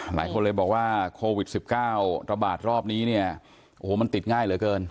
หลายคนเลยบอกว่าโควิด๑๙ระบาดรอบนี้เนี่ยโอ้โหมันติดง่ายเหลือเกิน